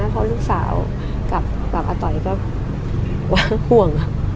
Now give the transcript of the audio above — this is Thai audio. พอลูกสาวกับอะต๋อยก็ห่วง